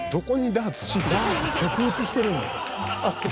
ダーツ直打ちしてるんや。